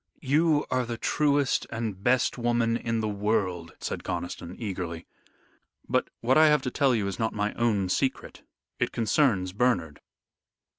You are the truest and best woman in the world," said Conniston, eagerly, "but what I have to tell you is not my own secret. It concerns Bernard."